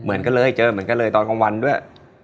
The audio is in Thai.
เหมือนกันเลยเจอเหมือนกันเลยตอนกลางวันด้วย